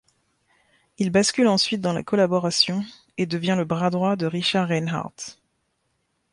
Il bascule ensuite dans la collaboration, et devient le bras droit de Richard Reinhardt.